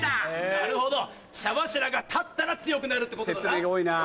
なるほど茶柱が立ったら強くなるってことだな？